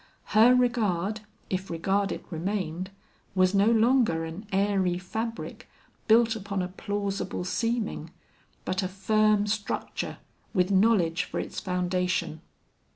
Her regard, if regard it remained, was no longer an airy fabric built upon a plausible seeming, but a firm structure with knowledge for its foundation.